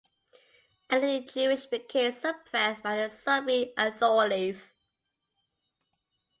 Anything Jewish became suppressed by the Soviet authorities.